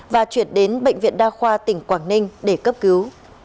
và chuyển đến bệnh viện đa khoa tỉnh quảng ninh để cấp cứu